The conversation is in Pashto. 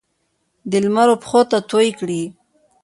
د لمر وپښوته توی کړي